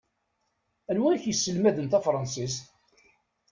Anwa i ak-iselmaden tafṛansist?